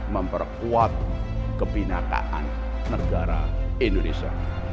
memperkuat kebinakaan negara indonesia